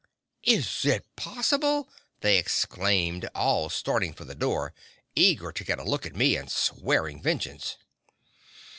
"Is it possible!" they exclaimed, all starting for the door, eager to get a look at me, and swearing vengeance.